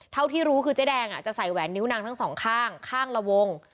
เท่าที่รู้คือเจ๊แดงจะใส่แหวนนิ้วนางทั้งสองข้างข้างละวง